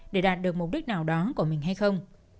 để đạt được mục đích nào đó của mình hay không